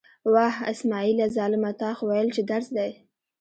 وه! اسمعیله ظالمه، تا خو ویل چې درس دی.